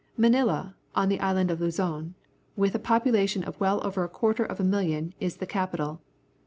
Manila, on the island of Luzon, with a population of well over a quarter of a million, is the capital.